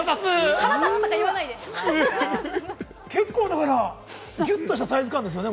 腹立つ！ギュッとしたサイズ感ですよ